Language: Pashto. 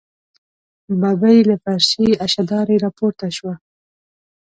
ببۍ له فرشي اشدارې راپورته شوه.